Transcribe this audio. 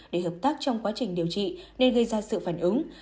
để hợp tác trong quá trình điều trị nên gây ra sự phản ứng